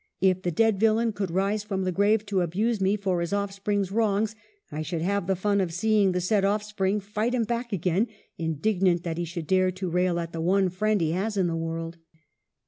If the dead villain could rise from the grave to abuse me for his offspring's wrongs, I should have the fun of seeing the said offspring fight him back again, indignant that he should dare to rail at the one friend he has in the world.'